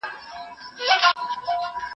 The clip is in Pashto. زه اوږده وخت شګه پاکوم.